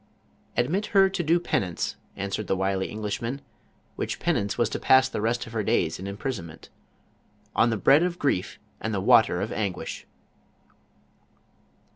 " Admit her to do penance," answered the wily Eng lishman, which penance was to pass the rest of her days in imprisonment, "on the bread of grief and the water of anguish."